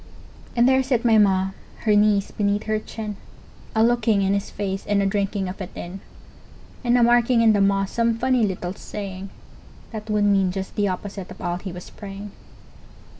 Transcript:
And there sit my Ma, her knees beneath her chin, A looking in his face and a drinking of it in, And a marking in the moss some funny little saying That would mean just the opposite of all he was praying!